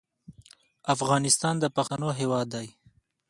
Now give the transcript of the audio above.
افغانستان د پښتنو هېواد دی.